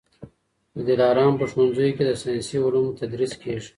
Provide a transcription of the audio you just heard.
د دلارام په ښوونځیو کي د ساینسي علومو تدریس کېږي